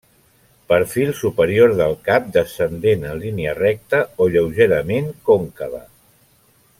Perfil superior del cap descendent en línia recta o lleugerament còncava.